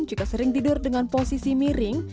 jika sering tidur dengan posisi miring